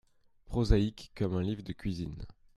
Prosaïque comme un livre de cuisine !